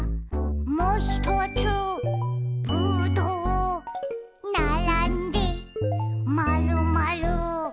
「もひとつぶどう」「ならんでまるまる」